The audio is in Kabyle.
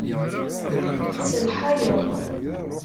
Tselḥayeḍ.